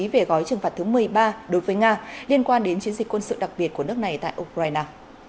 về gói trừng phạt thứ một mươi ba đối với nga liên quan đến chiến dịch quân sự đặc biệt của nước này tại ukraine